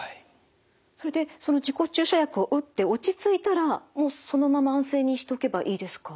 それでその自己注射薬を打って落ち着いたらもうそのまま安静にしておけばいいですか？